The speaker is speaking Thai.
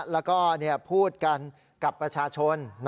แล้วก็พูดกันกับประชาชน